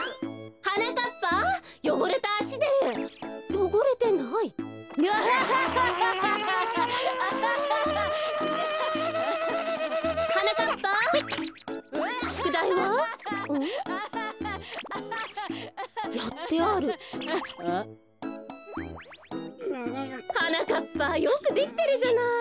はなかっぱよくできてるじゃない。